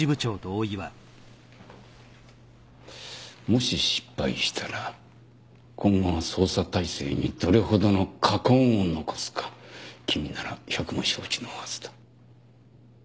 もし失敗したら今後の捜査体制にどれほどの禍根を残すか君なら百も承知のはずだ。